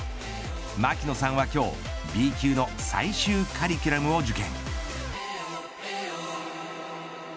槙野さんは今日、Ｂ級の最終カリキュラムを受験。